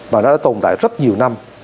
và nó đã tồn tại rất nhiều năm